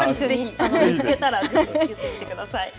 見つけたら、ぜひ言ってみてください。